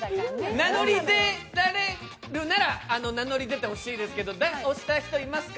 名乗り出られるなら名乗り出てほしいけど、押した人、いますか？